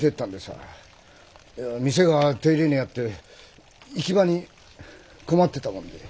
店が手入れに遭って行き場に困ってたもんで。